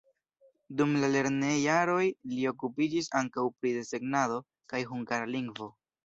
Dum la lernojaroj li okupiĝis ankaŭ pri desegnado kaj hungara lingvo.